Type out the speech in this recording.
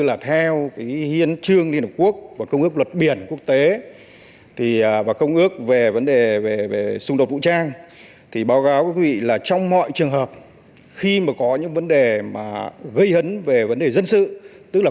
là hết sức cần thiết